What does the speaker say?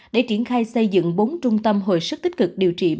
để triển khai xây dựng bốn trung tâm hồi sức tích cực